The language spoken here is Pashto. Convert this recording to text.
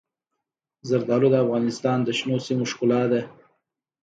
زردالو د افغانستان د شنو سیمو ښکلا ده.